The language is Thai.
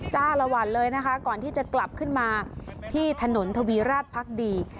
จ้าละวันเลยนะคะก่อนที่จะกลับขึ้นมาที่ถนนทวีราชพักดี